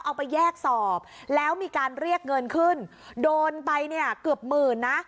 เอาไปแยกสอบแล้วมีการเรียกเงินขึ้นโดนไปเนี่ยเกือบหมื่นนะ